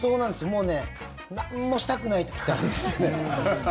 もうなんもしたくない時ってあるんですよね。